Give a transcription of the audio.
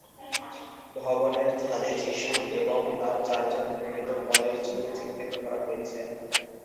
ভবনের ছাদে যিশু এবং তাঁর চারজন প্রেরিত পলের ছবি চিত্রিত করা হয়েছে।